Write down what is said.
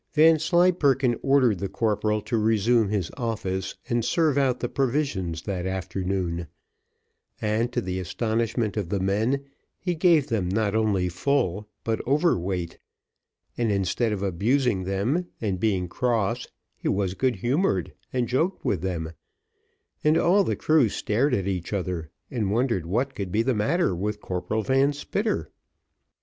Vanslyperken ordered the corporal to resume his office, and serve out the provisions that afternoon: and to the astonishment of the men, he gave them not only full, but overweight; and instead of abusing them, and being cross, he was good humoured, and joked with them; and all the crew stared at each other, and wondered what could be the matter with Corporal Van Spitter.